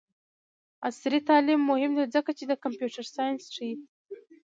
عصري تعلیم مهم دی ځکه چې د کمپیوټر ساینس ښيي.